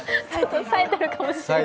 さえてるかもしれない。